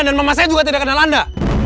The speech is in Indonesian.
dan mama saya juga tidak kenal anda